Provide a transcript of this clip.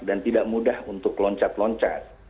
dan tidak mudah untuk loncat loncat